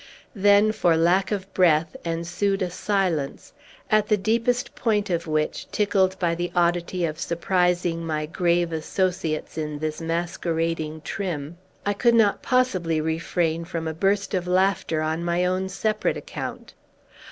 Then, for lack of breath, ensued a silence, at the deepest point of which, tickled by the oddity of surprising my grave associates in this masquerading trim, I could not possibly refrain from a burst of laughter on my own separate account.